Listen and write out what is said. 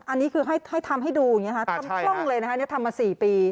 อันนี้คือให้ทำให้ดูทำคล่องเลยนะฮะทำมา๔ปี